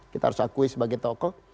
kita harus akui sebagai tokoh